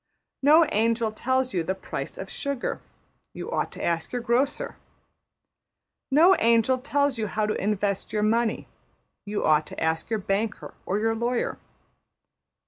No angel tells you the price of sugar; you ought to ask your grocer. No angel tells you how to invest your money; you ought to ask your banker or your lawyer.